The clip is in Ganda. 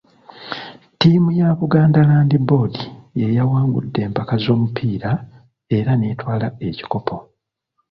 Ttiimu ya Buganda Land Board y'eyawangudde empaka z'omupiira era n'etwala ekikopo.